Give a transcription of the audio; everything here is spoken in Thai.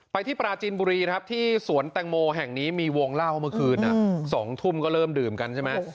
ที่ปราจีนบุรีครับที่สวนแตงโมแห่งนี้มีวงเล่าเมื่อคืน๒ทุ่มก็เริ่มดื่มกันใช่ไหม